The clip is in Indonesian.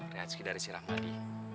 rehat sekitar disini